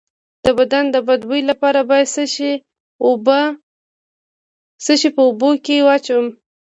د بدن د بد بوی لپاره باید څه شی په اوبو کې واچوم؟